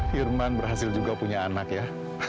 hirman berhasil juga punya anak ya